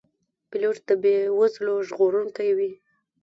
پیلوټ د بې وزلو ژغورونکی وي.